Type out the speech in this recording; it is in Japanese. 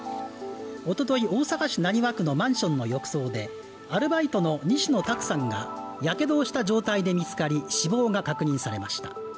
おととい、大阪市浪速区のマンションの浴槽でアルバイトの西野太九さんがやけどをした状態で見つかり死亡が確認されました。